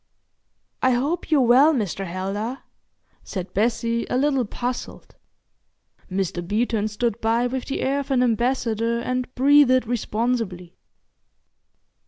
"I hope you're well, Mr. Heldar?" said Bessie, a little puzzled. Mr. Beeton stood by with the air of an ambassador and breathed responsibly.